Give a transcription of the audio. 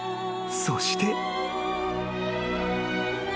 ［そして］